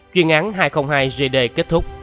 quyên án hai trăm linh hai gd kết thúc